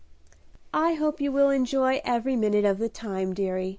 "I hope you will enjoy every minute of the time, deary.